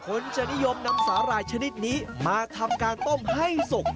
คนจะนิยมนำสาหร่ายชนิดนี้มาทำการต้มให้สุก